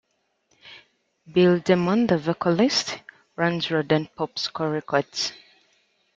Bill Damon, the vocalist, runs Rodent Popsicle Records.